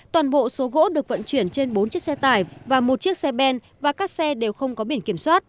toàn bộ số gỗ được vận chuyển trên bốn chiếc xe tải và một chiếc xe ben và các xe đều không có biển kiểm soát